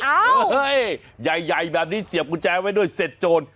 เอ้าเฮ้ยเฮ้ยใหญ่แบบนี้เสียบกุญแจไว้ด้วยเสร็จโจร